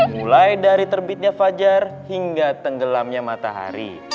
mulai dari terbitnya fajar hingga tenggelamnya matahari